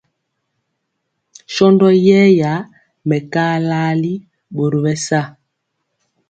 Shɔndɔ yɛra mɛkaa laali ɓɔri bɛ sa.